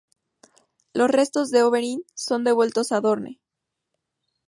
Los restos de Oberyn son devueltos a Dorne.